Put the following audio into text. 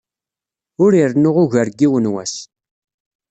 Ur irennu ugar n yiwen wass.